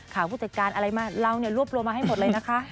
ผู้จัดการอะไรมาเรารวบรวมมาให้หมดเลยนะคะ